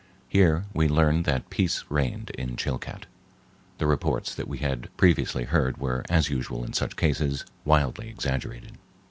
Here we learned that peace reigned in Chilcat. The reports that we had previously heard were, as usual in such cases, wildly exaggerated.